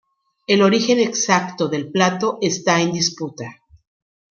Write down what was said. El origen exacto del plato están en disputa.